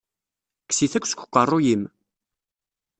Kkes-it akk seg uqeṛṛu-yim!